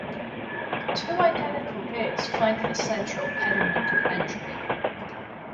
Two identical bays flank the central pedimented entry.